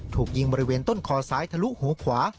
ถูกยิงบริเวณต้นคอซ้ายทะลุหูขวา